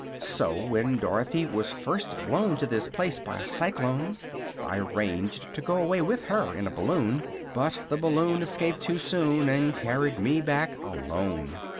So when Dorothy was first blown to this place by a cyclone I arranged to go away with her in a balloon; but the balloon escaped too soon and carried me back alone.